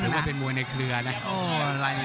ว่าเป็นมวยในเครือนะ